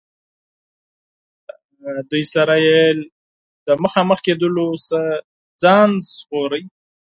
له هغوی سره یې له مخامخ کېدلو څخه ځان ژغوره.